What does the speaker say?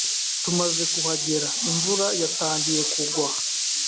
Tumaze kuhagera, imvura yatangiye kugwa.